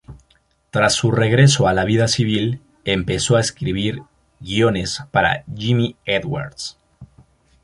Tras su regreso a la vida civil, empezó a escribir guiones para Jimmy Edwards.